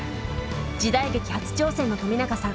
時代劇初挑戦の冨永さん。